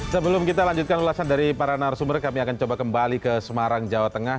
sebelum kita lanjutkan ulasan dari para narasumber kami akan coba kembali ke semarang jawa tengah